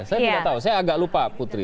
saya tidak tahu saya agak lupa putri